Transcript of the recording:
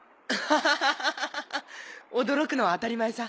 ハハハ驚くのは当たり前さ